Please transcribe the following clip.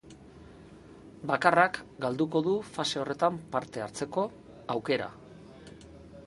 Bakarrak galduko du fase horretan parte hartzeko aukera.